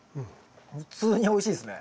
普通においしいですね。